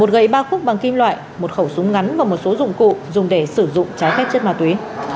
một gậy ba khúc bằng kim loại một khẩu súng ngắn và một số dụng cụ dùng để sử dụng trái phép chất ma túy